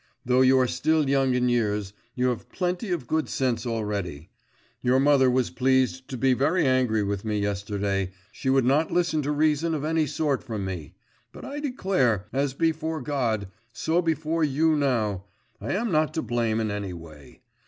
Though you are still young in years, you have plenty of good sense already. Your mother was pleased to be very angry with me yesterday she would not listen to reason of any sort from me, but I declare, as before God, so before you now, I am not to blame in any way.